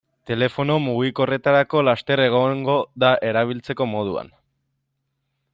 Telefono mugikorretarako laster egongo da erabiltzeko moduan.